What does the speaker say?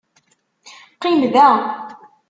Qqim da!